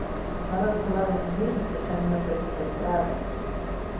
Està reculada endins, deixant una petita entrada.